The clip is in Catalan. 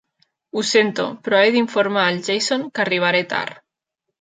Ho sento, però he d'informar el Jason que arribaré tard.